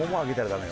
ダメ！